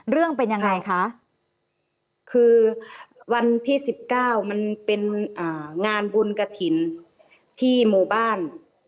เรื่องเป็นยังไงคะคือวันที่สิบเก้ามันเป็นงานบุญกระถิ่นที่หมู่บ้าน